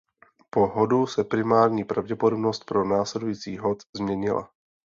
Po hodu se primární pravděpodobnost pro následující hod změnila.